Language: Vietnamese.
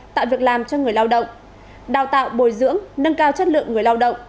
tạo việc làm cho người lao động đào tạo bồi dưỡng nâng cao chất lượng người lao động